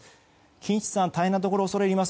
金七さん、大変なところ恐れ入ります。